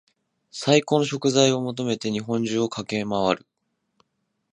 最高の食材を求めて日本中を駆け回る